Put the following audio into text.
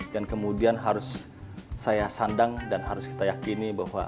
dan kemudian harus saya sandang dan harus kita yakini bahwa